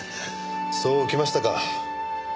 そうきましたか。